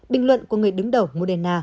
bình luận của người đứng đầu moderna